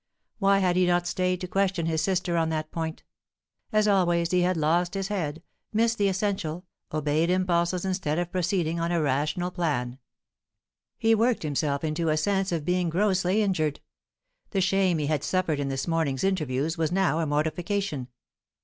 Why had he not stayed to question his sister on that point? As always, he had lost his head, missed the essential, obeyed impulses instead of proceeding on a rational plan. He worked himself into a sense of being grossly injured. The shame he had suffered in this morning's interviews was now a mortification.